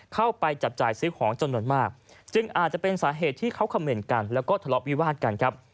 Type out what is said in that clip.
เข้าไปจับจ่ายซื้อของจำนวนมากจึงอาจจะเป็นสาเหตุที่เขาคำเมนต์กันแล้วก็ทะเลาะวิวาดกันครับ